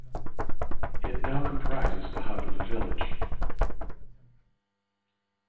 It now compromises the hub of the village.